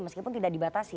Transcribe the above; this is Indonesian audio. meskipun tidak dibatasi